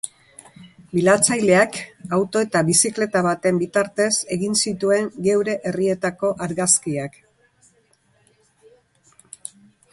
Bilatzaileak auto eta bizikleta baten bitartez egin zituen geure herrietako argazkiak.